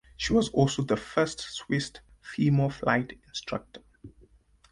She was also the first Swiss female flight instructor.